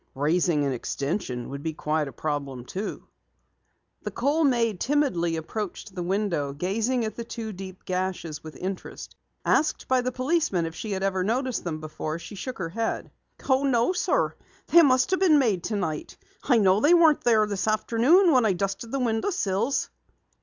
"Raising an extension would be quite a problem, too." The Kohl maid timidly approached the window, gazing at the two deep gashes with interest. Asked by the policeman if she ever had noticed them before, she shook her head. "Oh, no, sir. They must have been made tonight. I know they weren't there this afternoon when I dusted the window sills."